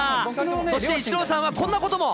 そしてイチローさんはこんなことも。